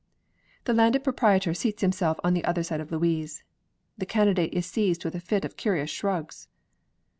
The Landed Proprietor seats himself on the other side of Louise. The Candidate is seized with a fit of curious shrugs.